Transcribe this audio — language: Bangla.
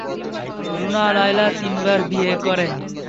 রুনা লায়লা তিনবার বিয়ে করেন।